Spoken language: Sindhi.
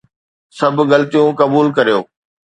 سڀ غلطيون قبول ڪريو